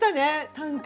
短歌。